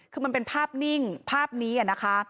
คือมันเป็นภาพนิ่งภาพนี้นะคะ